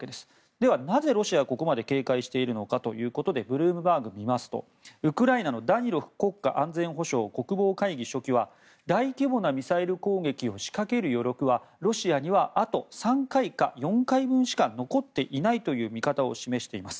ではなぜ、ロシアはここまで警戒しているのかということでブルームバーグを見ますとウクライナのダニロフ国家安全保障・国防会議書記は大規模なミサイル攻撃を仕掛ける余力はロシアにはあと３回か４回分しか残っていないという見方を示しています。